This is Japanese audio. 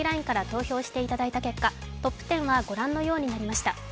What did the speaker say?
ＬＩＮＥから投票していただいた結果、トップ１０は御覧のようになりました。